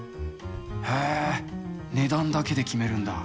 へー、値段だけで決めるんだ。